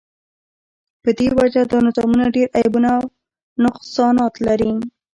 په دی وجه دا نظامونه ډیر عیبونه او نقصانات لری